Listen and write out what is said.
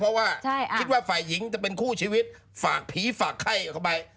เพราะว่าคิดว่าฝ่ายหญิงจะเป็นคู่ชีวิตฝากผีฝากไข้เข้าไป